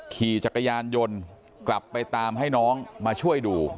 ขี่จักรยานยนต์กลับไปตามให้น้องมาช่วยดู